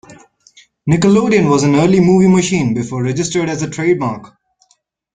"Nickelodeon" was an early movie machine before registered as a trademark.